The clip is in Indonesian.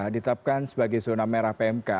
ditetapkan sebagai zona merah pmk